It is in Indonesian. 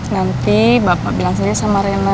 nanti bapak bilang saja sama rena